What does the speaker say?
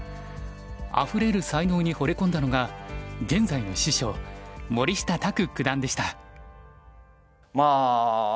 あふれる才能にほれ込んだのが現在の師匠森下卓九段でした。